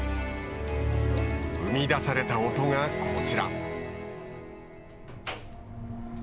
生み出された音がこちら。